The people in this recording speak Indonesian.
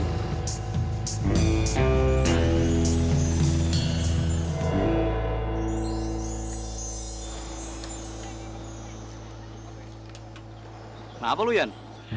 kenapa lu ian